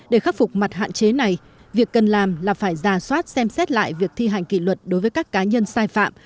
để khắc phục mặt hạn chế này việc cần làm là phải giả soát xem xét lại việc thi hành kỷ luật đối với các cá nhân sai phạm